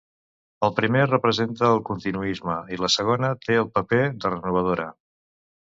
El primer representa el continuisme i la segona té el paper de renovadora.